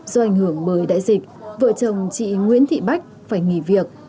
do ảnh hưởng bởi đại dịch vợ chồng chị nguyễn thị bách phải nghỉ việc